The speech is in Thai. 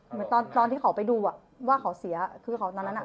เหมือนตอนที่เขาไปดูอ่ะว่าเขาเสียคือเขาตอนนั้นอ่ะ